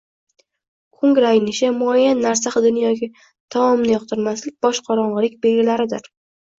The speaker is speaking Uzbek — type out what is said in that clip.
Ko‘ngil aynishi, muayyan narsa hidini yoki taomni yoqtirmaslik boshqorong‘ilik belgilaridir.